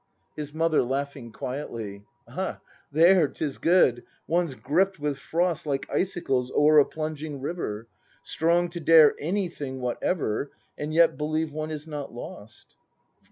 His Mother. [Laughing quietly.] Ay, there 'tis good. One's gripped with frost Like icicles o'er a plunging river, Strong to dare anything whatever, — And yet believe one is not lost.